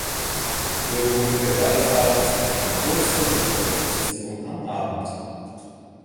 Höhepunkt der Wallfahrt ist eine große Lichterprozession am Abend.